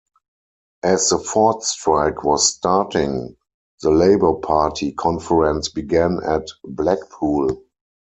As the Ford strike was starting, the Labour Party conference began at Blackpool.